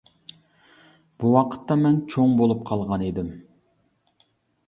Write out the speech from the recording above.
بۇ ۋاقىتتا مەن چوڭ بولۇپ قالغان ئىدىم.